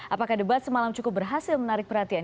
apakah debat semalam cukup berhasil menarik perhatian